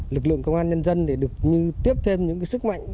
lực lượng công an nhân dân được như tiếp thêm những sức mạnh